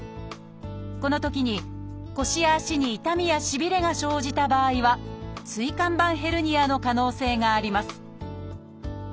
このときに腰や足に痛みやしびれが生じた場合は椎間板ヘルニアの可能性があります。